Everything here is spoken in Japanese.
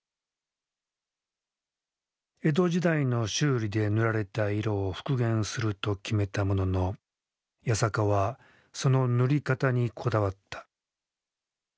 江戸時代の修理で塗られた色を復元すると決めたものの八坂はその塗り方にこだわった。